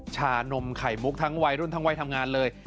ชานมไข่มุกทั้งวัยรุ่นทั้งวัยทำงานเลย